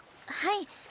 はい。